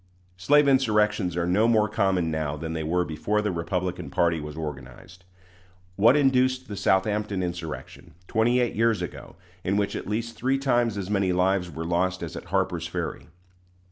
Slave insurrections are no more common now than they were before the Republican party was organized. What induced the Southampton insurrection, twenty eight years ago, in which at least three times as many lives were lost as at Harper's Ferry?